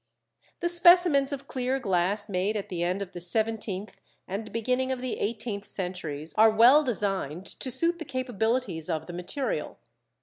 The specimens of clear glass made at the end of the seventeenth and beginning of the eighteenth centuries are well designed to suit the capabilities of the material.